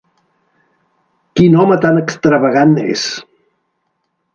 Quin home tan extravagant és.